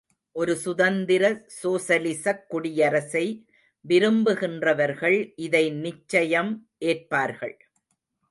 ஒரு சுதந்திர சோசலிசக் குடியரசை விரும்புகின்றவர்கள் இதை நிச்சயம் ஏற்பார்கள்.